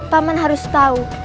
paman harus tahu